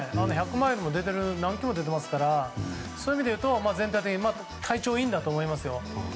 １００マイルとか出ていますからそういう意味で言うと、全体的に体調がいいんだと思いますよ。